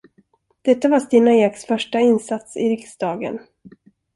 Detta var Stina Eks första insats i riksdagen.